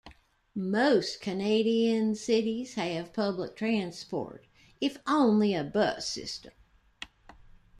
Most Canadian cities have public transport, if only a bus system.